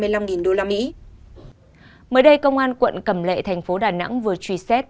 mới đây công an quận cầm lệ thành phố đà nẵng vừa truy xét